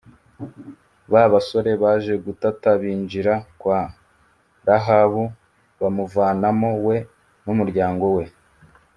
ba basore baje gutata binjira kwa rahabu, bamuvanamo, we numuryango we.